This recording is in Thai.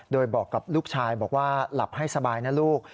โดยบอกกับลูกชายบอกว่าหลับให้สบายนะลูก